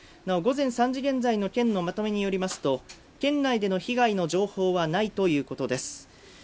なお午前３時現在の県のまとめによりますと、県内での被害の情報はないということです。